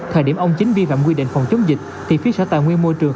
thời điểm ông chính vi phạm quy định phòng chống dịch thì phía sở tài nguyên môi trường